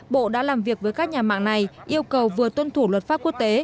bộ đã làm việc với các nhà mạng này yêu cầu vừa tuân thủ luật pháp quốc tế